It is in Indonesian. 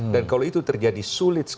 dan kalau itu terjadi apa yang akan terjadi